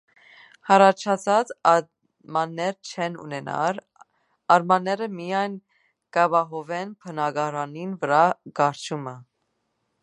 Յառաջացած արմատներ չեն ունենար, արմատները միայն կ՚ապահովեն բնակարանին վրայ կառչումը։